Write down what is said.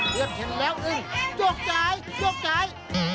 เพื่อนเห็นแล้วอึ้งโจ๊กจ่ายโจ๊กจ่าย